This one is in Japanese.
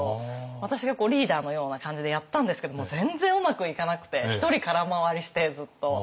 私がリーダーのような感じでやったんですけどもう全然うまくいかなくて一人空回りしてずっと。